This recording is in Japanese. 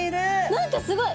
何かすごい！